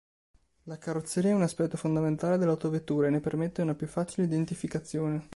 La carrozzeria è un aspetto fondamentale dell'autovettura e ne permette una più facile identificazione.